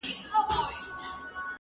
پلان جوړ کړه